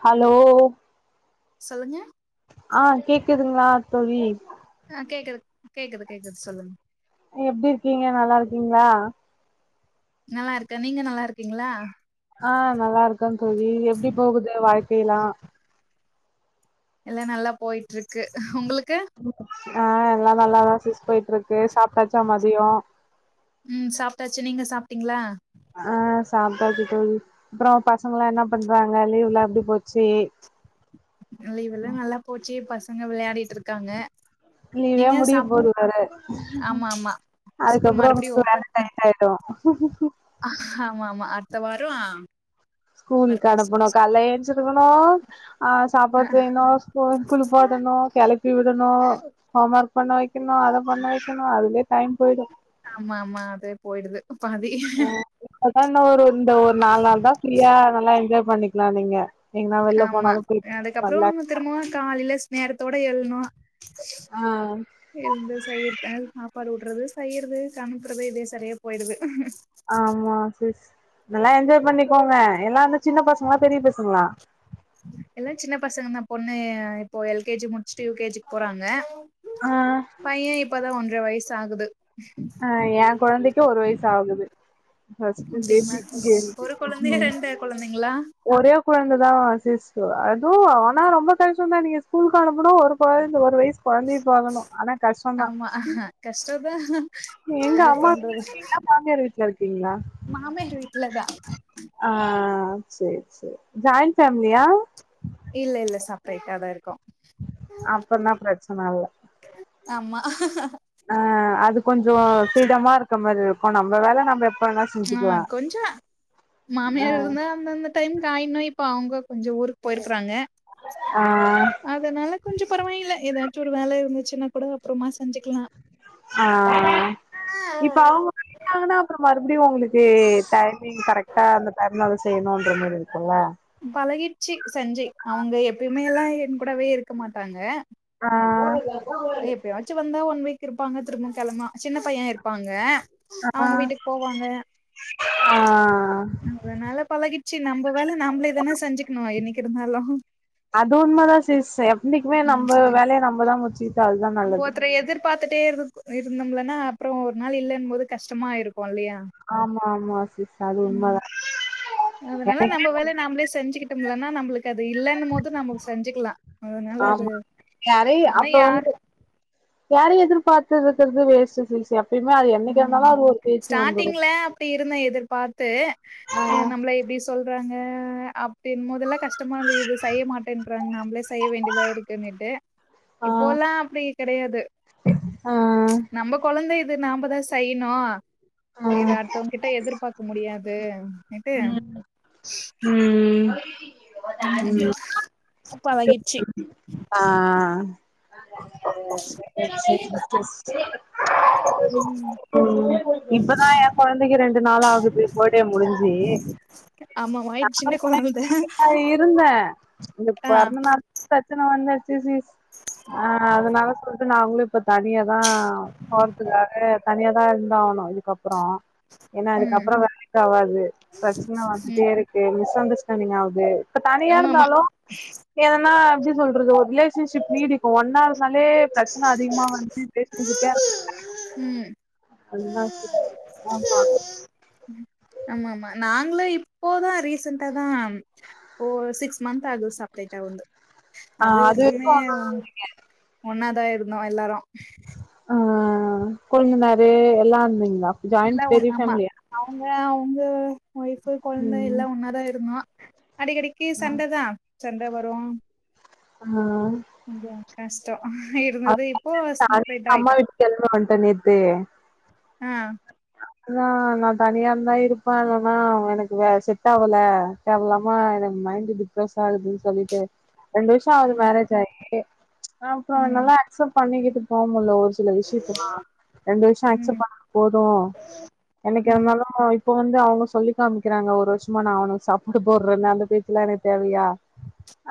Hello சொல்லுங்க ஆஹ் கேக்குதுங்களா தோழி ஆ கேக்குது கேக்குது கேக்குது சொல்லுங்க நீ எப்டி இருக்கீங்க நல்லா இருக்கீங்களா நல்லா இருக்கே நீங்க நல்லா இருக்கீங்களா ஆஹ் நல்லா இருக்கேன் தோழி எப்டி போகுது வாழ்க்கையெல்லாம் எல்லா நல்லா போயிட்டு இருக்கு உங்களுக் ஆஹ் எல்லாம் நல்லாதான் சிஸ் போயிட்டுருக்கு சாப்ட்டாச்சா மதியம் உம் சாப்ட்டாச்சு நீங்க சாப்ட்டீங்களா ஆஹ் சாப்ட்டாச்சு தோழி அப்புறம் பசங்கல்லாம் என்ன பண்றாங்க லீவுலாம் எப்டி போச்சி லீவுல்லாம் நல்லா போச்சு பசங்க விளையாடிட்ருக்காங்க லீவே முடிய போது ஆமா ஆமா ஸ்கூல் அதுக்கப்புறம் மறுபடியு உங்களுக்கு வேல ஓபன் டைட் ஆயிடும் ஹ்ம் ஹ்ம் ஹ்ம் ஆமா ஆமா அடுத்த வாரம் ஆ ஸ்கூலுக்கு அனுப்பணும் காலைல எந்திச்சுருக்கணும் ஆஹ் சாப்பாடு செய்யணும் ஸ்கூ குளிப்பாட்டணும் கெளப்பி விடணும் ஹோம்வர்க் பண்ண வைக்கணும் அத பண்ண வைக்கணும் அதுலே டைம் போயிடும் ஆமா ஆமா அதே போயிடுது பாதி ன்னா இன்னும் ஒரு இந்த ஒரு நாலு நாள் தான் ஃப்ரீயா நல்லா என்ஜாய் பண்ணிக்கலாம் நீங்க எங்கனா வெள்ல ஆமா போனாலு போய் நல்லா அதுக்கப்புறம் திரும்பவும் காலைல ஸ் நேரத்தோட எழுனும் ஆ எழுந்து செய்யிறது சாப்பாடு ஊட்றது செய்யிறது சமைக்குறது இதே சரியா போயிடுது ஆமா சிஸ் நல்லா என்ஜாய் பண்ணிக் போவே எல்லாம் வந்து சின்ன பசங்களா பெரிய பசங்களா எல்லாம் சின்ன பசங்க தான் பொண்ணு இப்போ எல்கேஜி முடிச்சுட்டு யூகேஜிக்கு போறாங்க ஆ பையன் இப்பதான் ஒன்ற வயசு ஆகுது அஹ் என் கொழந்தைக்கு ஒரு வயசு ஆகுது ஃபஸ்ர்ட்டு ஓகேங்களா பேபி கேர்ள் ஒரு பேபி கொழந்தையா அஹ் ரெண்டு கொழந்தைங்களா ஒரே கொழந்த தான் சிஸ் அதுவும் ஆனா ரொம்ப கஷ்டந்தான் நீங்க ஸ்கூலுக்கு அனுப் ப்பனும் ஒரு கொழந்த ஒரு வயசு கொழந்தைய பாக்கணும் ஆனா கஷ்டம் தான் ஆமா கஷ்டோதா எங்க என்ன அம்மா வீட்ல பண்றது இருக்கீங்களா மாமியார் வீட்ல இருக்கீங்களா மாமியார் வீட்ல தான் ஆ சேரி சேரி ஜாயிண்ட் ஃபேமிலியா இல்ல இல்ல செப்ரேட்டா தான் இருக்கோம் அப்பன்னா பிரச்சன இல்ல ஆமா ஆஹ் அது கொஞ்சம் ஃப்ரீடமா இருக்க மாரி இருக்கும் நம்ம வேல நம்ம எப் ஆஹ் கொஞ்சம் மாமியார் இருந்தா அந்தந்த டைம்க்கு ஆயி நொய்ணும் இப்ப அவுங்க கொஞ்சம் ஊருக்கு போயிரு க்கராங்க ஆ அதனால கொஞ்சம் பரவாயில்ல ஏதாச்சும் ஒரு வேல இருந்து ச்சுன்னாக் கூட அப்றமா செஞ்சுக்கலாம் ஆஹ் இப்ப அவுங்க போய்ட்டாங்கன்னா அப்புறம் மறுப் எப்டியும் உங்களுக்கு டைமிங் கரெக்டா அந்த டைம்ல அத செய்யணுன்ற மாரி இருக்குல்ல பழகிருச்சி செஞ்சி அவுங்க எப்புயுமே எல்லாம் என் கூடவே இருக்க மாட்டாங்க ஆ எப்பயாச்சும் வந்தா ஒன் வீக் இருப்பாங்க திரும்பவும் கெளம்னா சின்ன பையன் இருப்பாங்க அவுங்க ஆ வீட்டுக்கு போவாங்க ஆ அதனால பலகிச்சு நம்ப வேல நாம்பளே தான செஞ்சுக்கணும் என்னைக்கு இருந்தாலும் அது உண்மதான் சிஸ் எப்னைக்குமே நம்ப வேலைய நம்பதான் முடிச் நம்ப ஒருத்தர எதுர்பாத்துட்டே இரு இருந்தோம்லன்னா அப்புறம் ஒரு நாள் இல்லன்னும் போது கஷ்டமாயிருக் க்கும் இல்லையா ஆமா ஆமா சிஸ் அது ம் உண்மதா அதனால நம்ப வேலைய நாம்ப்ளே செஞ்சுக்கிட் கிட்டோம் இல்லன்னா நம்ளுக்கு அது இல்லன்னும்மோது நம்ப செஞ்சுக்கலாம் ஆமா யாரையு ஆனா அப்ப யா வந்து யாரையும் எதிர்பார்த் [unintelligible] இருக்கிறது வேஸ்ட் சிஸ்டர் அப்டினா அது என்னைக்க ஸ்டார்டிங்ல அப்டி இருந்தா எதிர்பார்த்து ஆ அ நம்மள இப்படி சொல் றாங்க அப்டின் மொதல்ல கஷ்டமானது இது செய்ய மாட்டேன்றாங்க நம்பளே செய்ய வேண்டியதா இருக்குன்னுட்டு ஆ இப்போலா அப்டி கெடயாது ஆ நம்ப கொழந்த இது நாம்பதான் செய்ணும் ஆ இத அடுத்தவங்க கிட்ட எதிர்பாக்க முடியாது னெட்டு ம் உ பழகிச்சி ஆ [unintelligible] ம் ம் இப்பதான் என் கொழந்தைக்கு ரெண்டு நாள் ஆகுது பர்த்டே முடிஞ்சு ஆமா வாயி சின்ன கொழந்த இருந்தேன் இந்த ஆ பொறந்த நாள் பிரச்சனை வந்த ஓகே சிஸ் ஆ அதனால இப்ப நாங்களும் இப்ப தனியா தா போறதுக்காக தனியா தா இருந்தாகனு இதுக்கப் புறோ ஏன்னா ம் அதுக்கப்புறோம் வேலைக்கு ஆவாது பிரச்சன ம் வந்துட்டே இருக்கு மிஸ் அண்டர் ஸ்டான்டிங் இப்ப ஆமா ஆமா தனியாருந்தாலும் எதன்னா எப்டி சொல்றது ஒரு ரிலேஷன்ஷிப் நீடிக்கு ஒன்னாருந்தாலே பிரச்சன அதிகமா வந்து பேசுனசுக்கே ம் அதுதா சிஸ் ஆமா ஆமா ஆமா நாங்களோ இப்போதான் ரீசன்டா தா ஃபோ சிக்ஸ் மந்த் ஆகுது சப்ரேட்டா வந்து ஆ அது வரைக்குமே வரைக்கு ஆனா ஒண்ணாதா இருந்தோம் எல்லாரும் ஆ கொழுந்தநாரு எல்லா வந்தீங்ளா இல்ல ஒன் ஆமா அவுங்க அவுங்க ஒய்ஃபு கொழுந்த ம் எல்லா ஒன்னாதா இருந்தோ அடிக்கடிக்கு சண்ட தா சண்ட வரும் ஆ கொஞ்சோ கஷ்டோ அ இருந்தது அது இப்போ நானே சப்ரேட்டா எங்க அம்மா ஆயிட்டோ வீட்டுக்கு கெளம்பி வன்ட்ட ஆ நா நா தனியா தா இருப்பேன் இல்லனா எனக்கு வ செட் ஆகல தேவலாம ஏ மைண்டு டிப்ரஸ் ஆகுதுன்னு சொல்லிட்டு ரெண்டு வருஷோ ஆகுது ம் மேரேஜ் ஆயி அப்புற ம் என்னால் அக்செப்ட் பண்ணிக்கிட்டு போமுல்ல ஒரு சில விஷயத்தலா ரெண்டு வருஷொ அக்செப்ட் ம் பண்ணா போதும் என்னிகா ம் ருந்தாலும் இப்போ வந்து அவங்க சொல்லி காமிக்கிறாங்க ஒரு வருஷமா நான் அவனுக்கு சாப்பாடு போறேன்னு அந்த பேச்சுலாம் எனக்கு தேவையா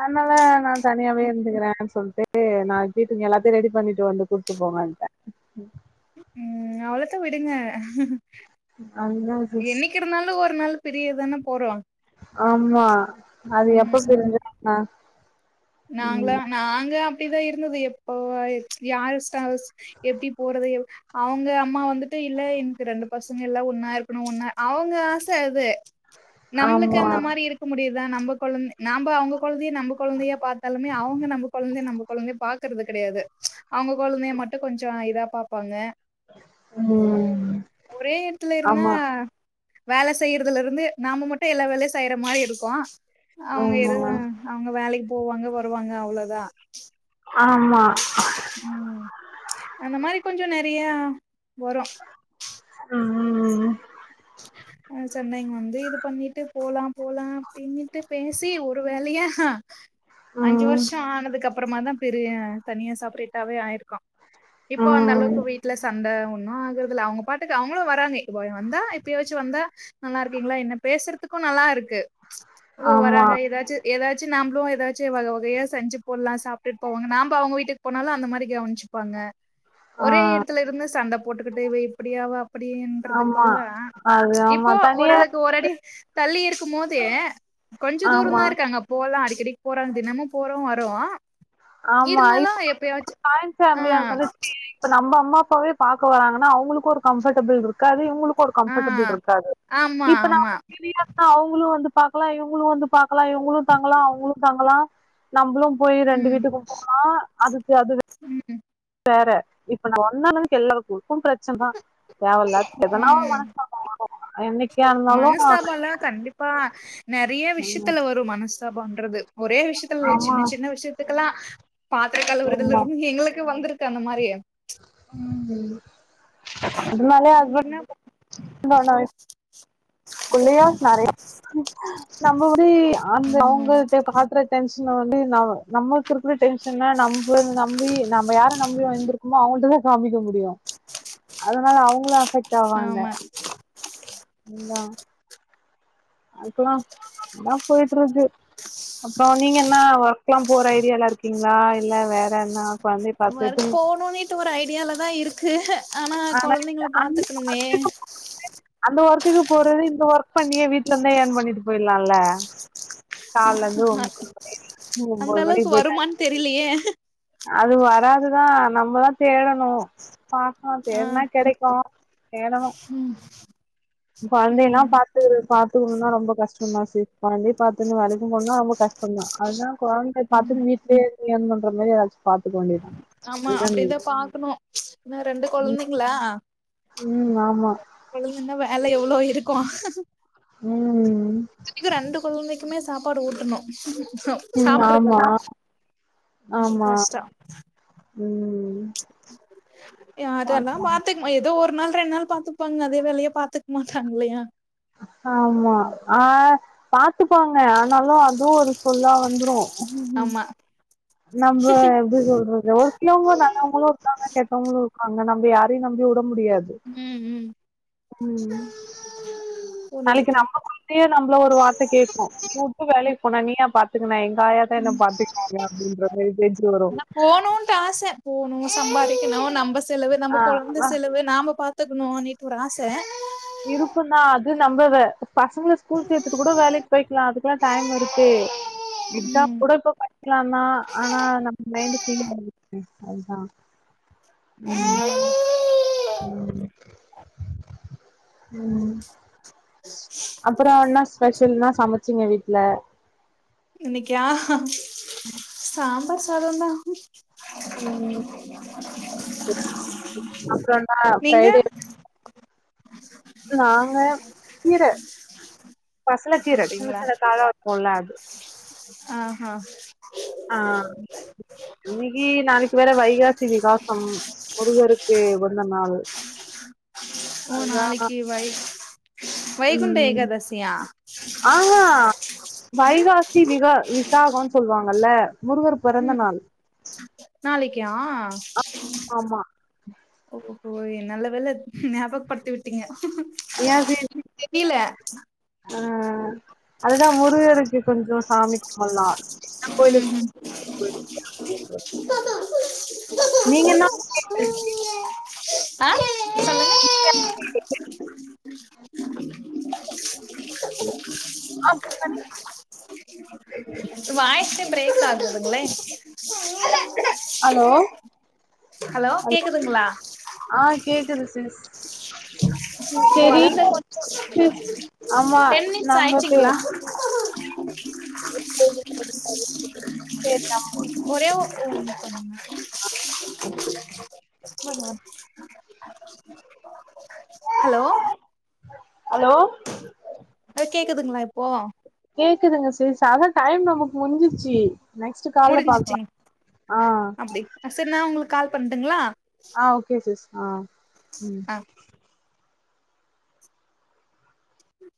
அதனால நா தனியாவே இருந்துக்கிறேன்னு சொல்லிட்டு நா வீட்டுங்க எல்லாத்தையும் ரெடி பண்ணிட்டு வந்து கூத்துப்போ போங்கன்ட ம் அவ்ளோத்தான் விடுங்க ஐ நோ திஸ் பின்னால பிரியதான போறோம் ஆமா அது எப்ப பிரிஞ்சா என்ன நாங்களா நாங்க இப்டிதா இருந்தது எப்போ யார் ச எப்டி போறது எ அவ்ங்க அம்மா வந்துட்டு இல்ல எனக்கு ரெண்டு பசங்க எல்லா ஒன்னா இருக்கணு ஒன்னா அவங்க ஆச அது நம்ளுக்கு ஆமா அந்த மாரி இருக்க முடியுதா நம்ப கொழந்த நாம்ப அவங்க கொழந்தய நம்ப கொழந்தையா பாத் தாலுமே அவங்க நம்ப கொழந்தய நம்ப கொழந்தயா பாக்றது கெடையாது அவங்க கொழந்தய மட்டு கொஞ்சோ இதாப் பாப்பாங்க ம் ஒரே எடத்துல இருந்தா ஆமா வேல செய்யறதுல இருந்து நாம மட்டு எல்லா வேலையு செய்றா மாரி இருக்கு அவங்க எது ஆமா அவங்க வேலைக்கு போவாங்க வருவாங்க அவ்ளோதா ஆமா ம் அந்த மாரி கொஞ்சோ நெறையா வரு ம் ம் அ சென்னைக்கு வந்து இது பண்ணிட்டு போலா போலா அப்டின்னுட்டு பேசி ஒரு வேலையா ஆ அஞ்சு ம் வருஷம் ஆனதுக்குப்பறமா தா பெரிய தனியா செப்பரேட்டாவே ஆயிருக்கோ இப்போ அந்த ம் அளவுக்கு வீட்ல சண்டை ஒன்னு ஆகுறதில்ல அவுங்க பாட்டுக்கு அவுங்களு வராங்க இப்ப வந்தா எப்பயாச்சு வந்தா நல்லா இருக்கீங்களா என்ன பேசுறதுக்கு நல்லா இருக்கு ஓ ஆமா வராங்க ஏதாச்சு ஏதாச்சு நாம்ளு ஏதாச்சு வகையா செஞ்சு போட்லா சாப்பிட்டு போவாங்க நாம்ப அவங்க வீட்டுக்கு போனாலு அந்த மாரி கவினிச்சு ப்பாங்க ஆ ஒரே எடத்துல இருந்தா சண்ட போட்டுக்கிட்டு இவ இப்டியாவா அப்டின்றதுக்கு ஆமா பதிலா அது ஆமா இப்போ தனியா ஓரளவுக்கு ஒரு அடி தள்ளி இருக்கும் போது கொஞ்ச ஆமா தூரந்தா இருக்காங்க அப்போ போலா அடிக்கடிக்கு போற தினமு போறோ வரோ ஆமா இப்ப ஜாய்ன்ட் ஆ ஃபேமிலியா இருந்துச்சு வெச்சுக்கயே இப்ப நம்ப அம்மாப்பாவே பாக்க வராங்கன்னா அவங்களுக்கு ஒரு கம்ஃபர்டபிள் இருக்காது இவங்களுக் கு ஒரு ஆ கம்ஃபர்டபிள் இருக்காது ஆமா இப்ப நான் ஆமா. இவிக ஆ அவுங்களு வந்து பாக்கல இவுங்களு வந்து பாக்கல இவுங்களு தங்கலா அவுங்களு தங்கலா நம்பளு போய் ரெண்டு ம். வீட்டுக்கு போனா அதுக்கு அது ம் வேற இப்ப நான் ஒன்னா [unintelligible] எல்லாருக்கு பிரச்சனதா தேவையில்லாது எதனா ஒரு ம் மனஸ்தாபம் வரு என்னைக்கா இருந்தாலு நா மனஸ்தாபல்லா தள்ளியே கண்டிப்பா நெறைய விஷயத்துல வரு மனஸ்தாபன்றது ஒரே விஷயத்துல ஆமா சின்ன சின்ன விஷயத்துக்கெல்லா பாத்திர கழுவரதிலிருந்து எங்களுக்கு வந்துரு து அந்த மாரி ஆங்கையே அதனாலயே ஹஸ்பெண்ட் என்ன இருந்தா ஒன்னாவே குள்ளயாச்சு நெறையா நம்மபுடி அந்த ம் அவுங்கிட்ட காட்டற டென்ஷன வந்து ந நம்ம கிருக்கிற டென்ஸன நம்ப நம்பி நம்ப யார நம்பி வந்திருக்கமோ அவங்ககிட்டதா காமிக்க முடியு அதனால அவங்களு அஃபெக்ட் ஆவாங்க ஆமா அதா அதுக்கலா இதா போய்ட்டு இருக்கு அப்பறோ நீங்க என்னா ஒர்க்லா போற ஐடியால இருக்கீங்களா இல்ல வேற என்னா வொர்க் போனுனிட்டு ஒரு ஐ டியால தா இருக்கு ஆனா கொழந்தைங்கள அந்த பாத்துக்கணுமே ஒர்க்குக்கு அந்த ஒர்க்குக்கு போறது இந்த ஒர்க் பண்ணியே வீட்டுல இருந்தே ஏர்ன் பண்ணிட்டு போயிரலாம்ல்ல காலிலெழுது ஒம்பது மணிவரையு அந்த ஒம்போது மணி அளவுக்கு போய்ட்டாங்க வருமான்னு தெரிலயே அது வராதுதா நம்மதா தேடணு பாக்கணு ஆ தேட்னா கெடைக்கு தேடனு கொழந்தைலா ம் பாத்து பாத்துக்கணுனா ரொம்ப கஷ்டந்தா சி கொழந்தையு பாத்துன்னு வேலைக்கு போகணும்னா ரொம்ப கஷ் டந்தா அதா கொழந்தைய பாத்துன்னு வீட்லயே இருந்து ஏர்ன் பண்ற மாரி ஏதாச்சு பாத்துக்க வேண்டியதுதா ஆமா அப்டிதா பாக்கணு ஏன்னா ரெண்டு கொழந்தைங்களா ம் ஆமா வேலை எவ்ளோ இருக்கு ம் ரெண்டு கொழந்தைக்குமே சாப்பாடு ஊட்டணு ம் ஆமா, சாப்ட்ருக்கமாட்டாங்க எ ஆமா. கஷ்டோ ம் எ அது எல்லா பாக்கலாம். பாத்துக் எதோ ஒரு நாள் ரெண் நாள் பாத்துப்பாங்க அதே வேலையா பாத்துக் மாட்டாங் இல்லையா ஆமா ஆ பாத்துப்பாங்க ஆனாலு அதுவு ஒரு சொல்லா வந்துரு ஆமா நம்ப எப்டி சொல்றது ஒரு சிலவங்க நல்லவங்களு இருக்காங்க கெட்டவங்களு இருக்காங்க நம்ப யாரையு நம்பி உட முடியாது. ம் ம் ம் புரியுது நாளைக்கி நம்ப புரியுது கொழந்தையு நம்ப்ள ஒரு வார்த்த கேக்கு உட்டு உட்டு வேலைக் போன நீயா பாத்துக்கனா எங்காயாதா என்ன பாத்துக்னாங்க அப்டின்ற மாரி பேச்சி வரு ஆனா போணுன்ட்டு ஆச போணு சம்பாதிக்கிணு நம்ப செலவு ஆ நம்ப கொழந்த அ செலவு நாம பா த்துக்குணு அனிட்டு ஒரு ஆச இருக்குந் தா அது நம்பல்த பசங்கள ஸ்கூல் சேத்துட்டு கூட வேலைக் போய்க்லா அதுக்லா டைம் இருக்கு எக்சாம் ம் கூட இப்ப படிக்கலாந் தா ஆனா நம்ம மைண்டு [unintelligible] அதுதா ம் ம் ம் அப்பறோ ன்னா ஸ்பெஷல் இன்னா சமச்சீங்க வீட்ல இன்னைக்கா சாம்பார் சாதோந் தா ம் அப்றோ இன்னா நீங்க ஃப்ரைடே நாங்க கீர பசல கீர சின்ன சின்ன தாழ இருக்குல அது அ ஆ ஆ இன்னிக்கி நாளிக்கி வேற வைகாசி விகாசம் முருகருக்கு உகந்த நாளு ஓ நாளைக்கி வை வைகுண்ட ம் ஏகாதசியா ஆஹா வைகாசி விகா வி சாகோன் சொல்வாங்கல்ல முருகர் பொறந்த நாள் நாளைக்கா ஆமா. ஓ எ நல்ல வேல்ல ஞாபக் பட்த்தி விட்டீங்க தெரியில ஈ அதுதா முருகருக்கு கொஞ்சோஒ சாமி கும்புல்லா கோயிலுக் ம் [inaudible] ஆ நீங் என்னா [inaudible] ஆ [inaudible] அ வாய்ஸு ப்ரேக் ஆகுதுங்லே அலோ ஹலோ கேக்குதுங்ளா கிது சிஸ் செரி கொழந்த கொஞ்சு சிஸ் ஆமா டென் மின்ட்ஸ் நம்ம பே ஆய்ச்சிங்ளா [inaudible] ஒரே ஓ [unintelligible] ஹலோ அலோ அது கேக்குதுங்ளா இப்போ கேக்குதுங்க சிஸ் அதா டைம் நமக் முஞ்சிச்சி முடிஞ்சிச்சிங்க அப்டி செரி நா உங்ளுக் கால் பண்ட்டுங்ளா ஆ ஓகே சிஸ் ஆ ம் அ